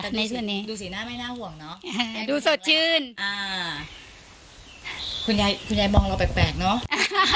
ดูสิหน้าไม่น่าห่วงเนอะดูสดชื่นอ่าคุณยายคุณยายมองเราแปลกแปลกเนอะ